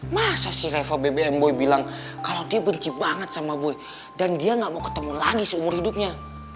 masa si reva bbm boy bilang kalau dia benci banget sama bu dan dia gak mau ketemu lagi seumur hidupnya